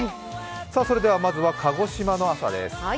それではまずは鹿児島の朝です。